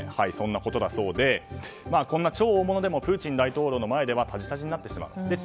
そんなことだそうでこんな大物でもプーチン大統領の前ではたじたじになってしまったと。